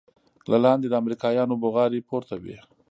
له لاندې د امريکايانو بوغارې پورته وې.